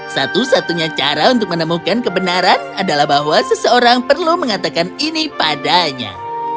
satu satunya cara untuk menemukan kebenaran adalah bahwa seseorang perlu mengatakan ini padanya